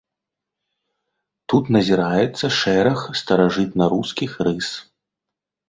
Тут назіраецца шэраг старажытнарускіх рыс.